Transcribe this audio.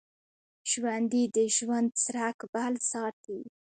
ژوندي د ژوند څرک بل ساتي